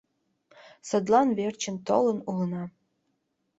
Садлан верчын толын улына.